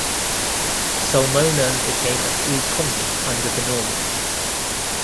Sulmona became a free commune under the Normans.